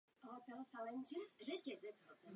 Jsem trochu překvapený.